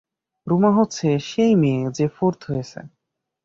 রুমা হচ্ছে সেই মেয়ে যে ফোর্থ হয়েছে।